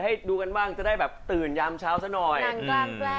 หนังกว้างแปลง